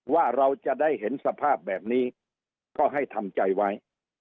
ว่าเราจะได้เห็นสภาพแบบนี้ก็ให้ทำใจไว้